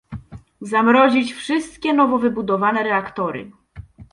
Zamrozić wszystkie nowo wybudowane reaktory